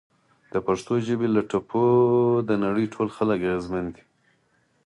د پښتو ژبې له ټپو د نړۍ ټول خلک اغیزمن دي!